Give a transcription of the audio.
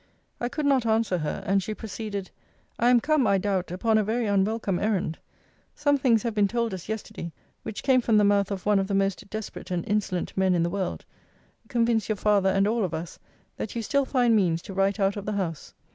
I could not answer her, and she proceeded I am come, I doubt, upon a very unwelcome errand. Some things have been told us yesterday, which came from the mouth of one of the most desperate and insolent men in the world, convince your father, and all of us, that you still find means to write out of the house.